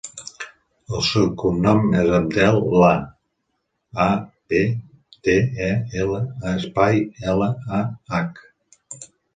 El seu cognom és Abdel Lah: a, be, de, e, ela, espai, ela, a, hac.